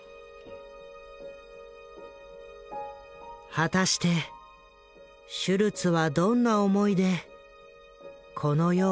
果たしてシュルツはどんな思いでこの世を去ったのか？